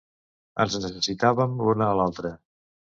Ens necessitàvem l’una a l’altra